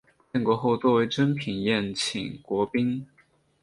建国后作为珍品宴请国宾。